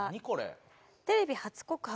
「テレビ初告白！